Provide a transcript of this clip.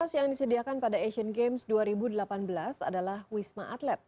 yang disediakan pada asian games dua ribu delapan belas adalah wisma atlet